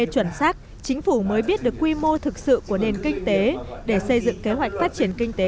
chính phủ mới biết được quy mô thực sự của nền kinh tế để xây dựng kế hoạch phát triển kinh tế